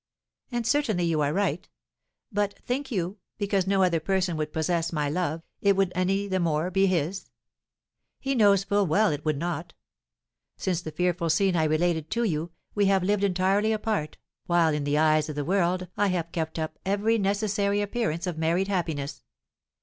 And certainly you are right. But, think you, because no other person would possess my love, it would any the more be his? He knows full well it would not. Since the fearful scene I related to you, we have lived entirely apart, while in the eyes of the world I have kept up every necessary appearance of married happiness.